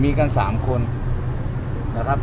มีกัน๓คนนะครับ